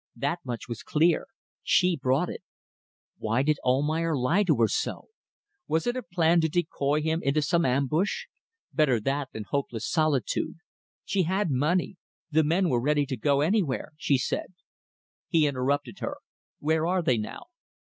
That much was clear. She brought it. Why did Almayer lie to her so? Was it a plan to decoy him into some ambush? Better that than hopeless solitude. She had money. The men were ready to go anywhere ... she said. He interrupted her "Where are they now?"